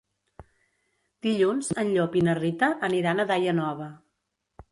Dilluns en Llop i na Rita aniran a Daia Nova.